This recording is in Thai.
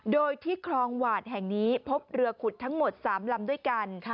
โดยที่คลองหวาดแห่งนี้พบเรือขุดทั้งหมด๓ลำด้วยกัน